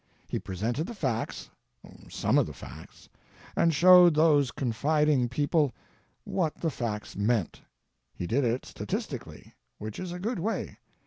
He presented the facts — some of the facts — and showed those confid ing people what the facts meant. He did it statistically, which is a good way.